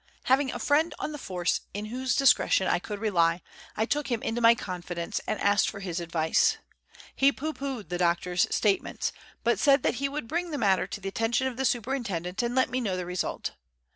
Having a friend on the force in whose discretion I could rely, I took him into my confidence and asked for his advice. He pooh poohed the doctor's statements, but said that he would bring the matter to the attention of the superintendent and let me know the result.